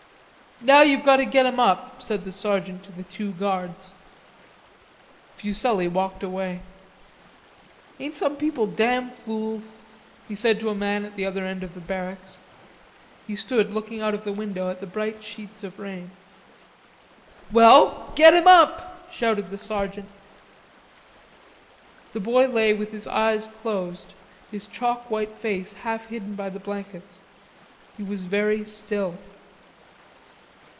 "Now you've got to get him up," said the sergeant to the two guards. Fuselli walked away. "Ain't some people damn fools?" he said to a man at the other end of the barracks. He stood looking out of the window at the bright sheets of the rain. "Well, get him up," shouted the sergeant. The boy lay with his eyes closed, his chalk white face half hidden by the blankets; he was very still.